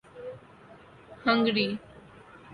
Hungary